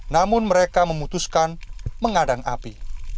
namun mereka memutuskan mengadang api